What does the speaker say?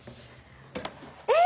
え！